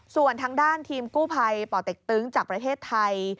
ส่วนทางด้านทีมกู้ภัยป่อเต็กตึงจากประเทศไทย